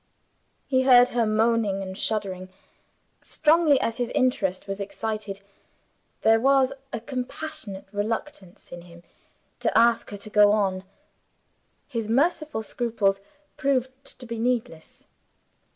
He heard her moaning and shuddering. Strongly as his interest was excited, there was a compassionate reluctance in him to ask her to go on. His merciful scruples proved to be needless.